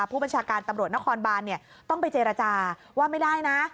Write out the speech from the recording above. ผู้บัญชาการตำรวจนครบานต้องไปเจรจาว่าไม่ได้นะ